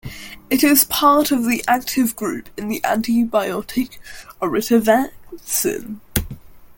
It is part of the active group in the antibiotic oritavancin.